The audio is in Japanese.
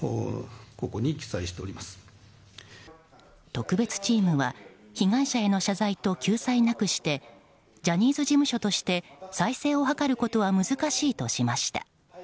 特別チームは被害者への謝罪と救済なくしてジャニーズ事務所として再生を図ることは難しいとしました。